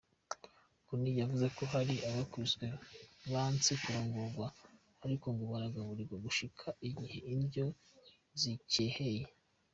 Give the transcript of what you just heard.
Goni yavuze ko hari abakubiswe banse kurongogwa ariko ngo baragaburigwa gushika igihe indya zikeheye.